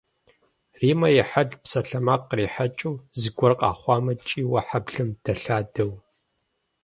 Риммэ и хьэлт псалъэмакъ кърихьэкӏыу, зыгуэр къэхъуамэ кӏийуэ хьэблэм дэлъадэу.